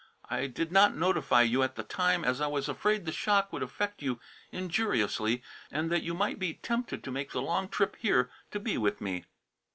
I did not notify you at the time as I was afraid the shock would affect you injuriously and that you might be tempted to make the long trip here to be with me.